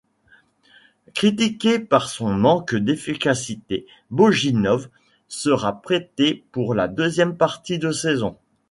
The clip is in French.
Critiqué pour son manque d'efficacité, Bojinov sera prêté pour la deuxième partie de saison.